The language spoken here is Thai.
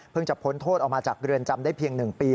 จะพ้นโทษออกมาจากเรือนจำได้เพียง๑ปี